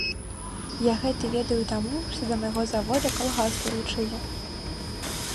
Я гэты ведаю таму, што да майго завода калгас далучылі.